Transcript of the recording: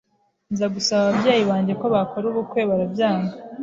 nza gusaba ababyeyi banjye ko bakora ubukwe barabyanga